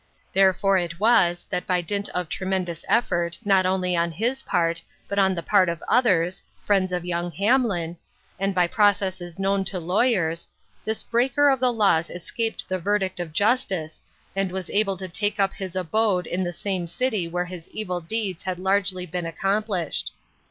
Therefore it was, that by dint of tremendous effort, not only on his part, but on the part of others, friends of young Hamlin, and by processes known to lawyers, this breaker of the laws escaped the verdict of justice, and was able to take up his abode in the same city where his evil deeds had largely been accom plished.